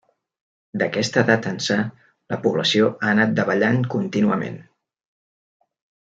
D'aquesta data ençà, la població ha anat davallant contínuament.